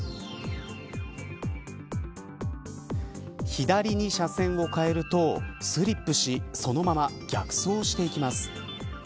左に車線を変えるとスリップしそのまま逆走していきます。